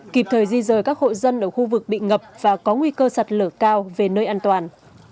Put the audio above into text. kịp thời di rời các hội dân ở khu vực bị ngập và có nguy cơ sặt lửa cao về nơi an toàn